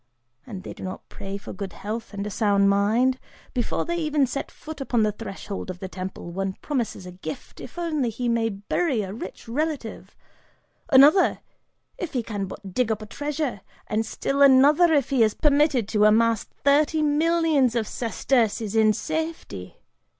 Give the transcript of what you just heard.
And they do not pray for good health and a sound mind; before they even set foot upon the threshold of the temple, one promises a gift if only he may bury a rich relative; another, if he can but dig up a treasure, and still another, if he is permitted to amass thirty millions of sesterces in safety!